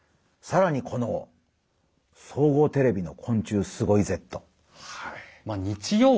さらにこの総合テレビの「昆虫すごいＺ！」。